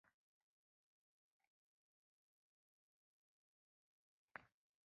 Kriptovalyutani qonuniy to‘lov vositasi sifatida tan olgan birinchi mamlakat nomi aytildi